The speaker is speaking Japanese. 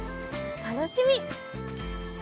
楽しみ！